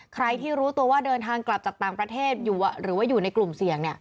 ใครที่รู้ตัวว่าเดินทางกลับจากต่างประเทศหรือว่าอยู่ในกลุ่มเสี่ยง